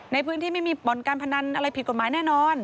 ในพื้นที่ไม่มีบ่อนการพนันอะไรผิดกฎหมายแน่นอน